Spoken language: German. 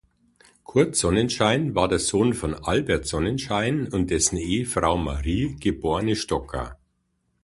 Curt Sonnenschein war der Sohn von Albert Sonnenschein und dessen Ehefrau Marie, geborene Stocker.